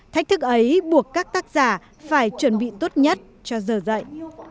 thách thức ấy buộc các tác giả phải chuẩn bị tốt nhất cho giờ dạy